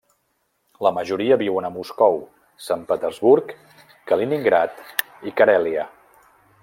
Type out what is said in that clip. La majoria viuen a Moscou, Sant Petersburg, Kaliningrad i Carèlia.